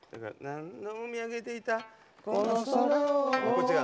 「何度も見上げていたこの空を」